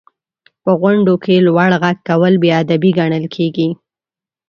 • په غونډو کې لوړ ږغ کول بې ادبي ګڼل کېږي.